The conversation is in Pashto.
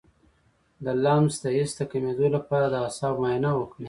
د لمس د حس د کمیدو لپاره د اعصابو معاینه وکړئ